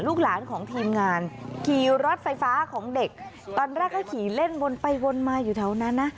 หลานของทีมงานขี่รถไฟฟ้าของเด็กตอนแรกก็ขี่เล่นวนไปวนมาอยู่แถวนั้นนะ